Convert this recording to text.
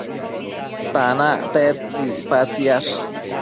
tanac tedtsi icpatsiash?